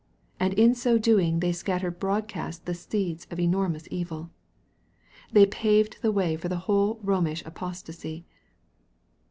And in so doing they scattered broadcast the seeds of enormous evil. They paved the way for the whole Bomish apostacy.